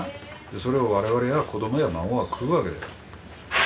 それを我々が子供や孫が食うわけだよ。